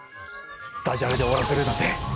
ダジャレで終わらせるなんて。